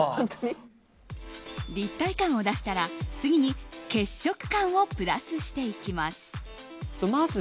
立体感を出したら次に血色感をプラスしていきます。